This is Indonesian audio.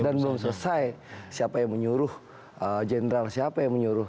dan belum selesai siapa yang menyuruh general siapa yang menyuruh